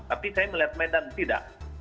tapi saya melihat medan tidak